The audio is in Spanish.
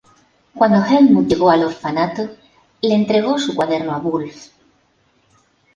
Cuando Helmuth llegó al orfanato, le entregó su cuaderno a Wulf.